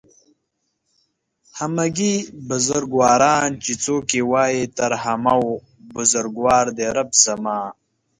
همگي بزرگواران چې څوک يې وايي تر همه و بزرگوار دئ رب زما